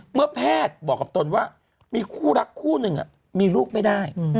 เมื่อแพทย์บอกกับตนว่ามีคู่รักคู่หนึ่งมีลูกไม่ได้